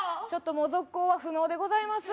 もう続行は不能でございます